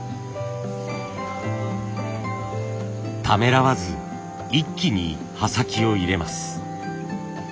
ためらわず一気に刃先を入れます。